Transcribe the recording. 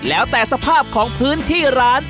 แล้วแต่สภาพของพื้นที่ร้าน